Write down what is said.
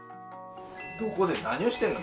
ここで何をしているの？